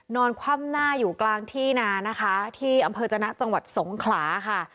คว่ำหน้าอยู่กลางที่นานะคะที่อำเภอจนะจังหวัดสงขลาค่ะ